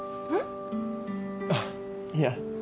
あっいや。